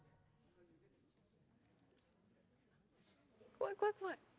怖い怖い怖い。